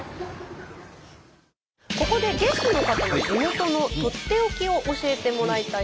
ここでゲストの方の地元のとっておきを教えてもらいたいと思います。